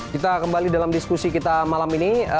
kita kembali dalam diskusi kita malam ini